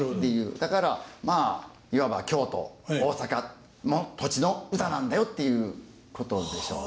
だからまあいわば京都大阪の土地の唄なんだよっていうことでしょうね。